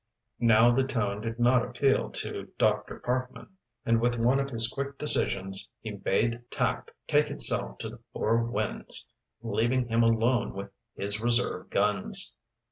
Now the tone did not appeal to Dr. Parkman, and with one of his quick decisions he bade tact take itself to the four winds, leaving him alone with his reserve guns.